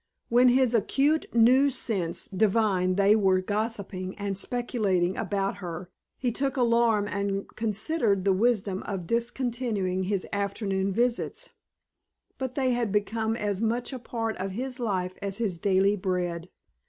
When his acute news sense divined they were gossiping and speculating about her he took alarm and considered the wisdom of discontinuing his afternoon visits. But they had become as much a part of his life as his daily bread.